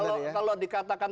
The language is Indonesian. jadi kalau dikatakan